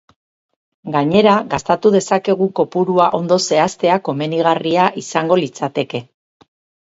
Gainera, gastatu dezakegun kopurua ondo zehaztea komenigarria izango litzateke.